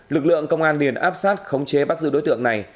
lực lượng công an liền áp sát khống chế bắt giữ đối tượng này